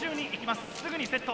すぐにセット。